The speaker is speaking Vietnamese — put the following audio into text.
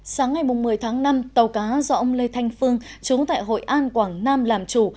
sáng ngày một mươi tháng năm tàu cá do ông lê thanh phương trúng tại hội an quảng nam làm chủ